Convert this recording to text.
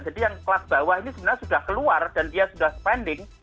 yang kelas bawah ini sebenarnya sudah keluar dan dia sudah spending